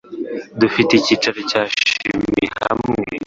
Dufite icyiciro cya chimie hamwe.